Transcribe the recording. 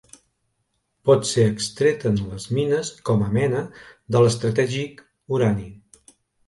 Pot ser extret en les mines com a mena de l'estratègic urani.